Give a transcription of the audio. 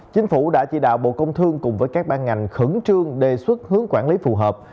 chính phủ đã chỉ đạo bộ công thương cùng với các ban ngành khẩn trương đề xuất hướng quản lý phù hợp